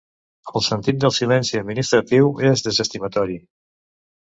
El sentit del silenci administratiu és desestimatori.